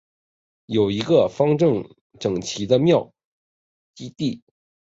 有一个方正整齐的庙区基地。